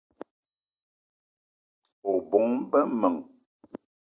O bóng-be m'men